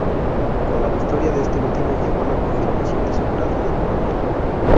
Con la victoria de este último llegó la confirmación de su grado de coronel.